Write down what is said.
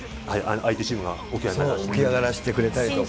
相手チームが起き上がらせて起き上がらせてくれたりとか。